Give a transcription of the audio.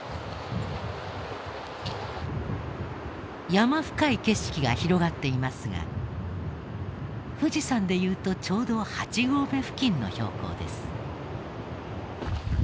山深い景色が広がっていますが富士山でいうとちょうど８合目付近の標高です。